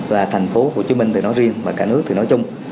và tp hcm thì nói riêng và cả nước thì nói chung